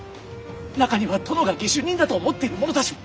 中には殿が下手人だと思っている者たちも！